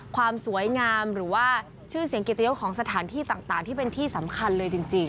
ความสวยงามหรือว่าชื่อเสียงเกียรติยศของสถานที่ต่างที่เป็นที่สำคัญเลยจริง